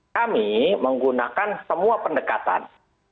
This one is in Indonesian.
kami menggunakan semua pendekatan